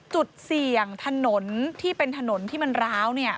จุดเสี่ยงถนนที่เป็นถนนที่มันร้าว